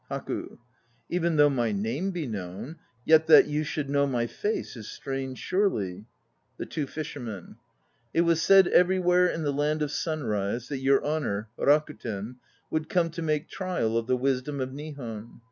HAKU. Even though my name be known, yet that you should know my face is strange surely! THE TWO FISHERMEN. It was said everywhere in the Land of Sunrise that your Honour, Rakuten, would come to make trial of the wisdom of Nihon.